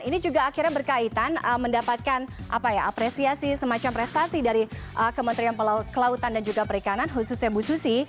ini juga akhirnya berkaitan mendapatkan apresiasi semacam prestasi dari kementerian kelautan dan juga perikanan khususnya bu susi